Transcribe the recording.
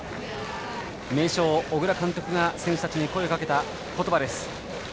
名将・小倉監督が選手たちに声をかけた言葉です。